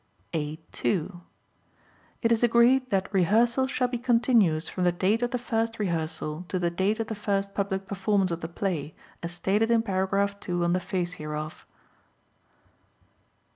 (2) It is agreed that rehearsals shall be continuous from the date of the first rehearsal to the date of the first public performance of the play, as stated in Paragraph 2 on the face hereof.